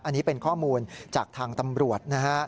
อันนี้เป็นข้อมูลจากทางตำรวจนะฮะ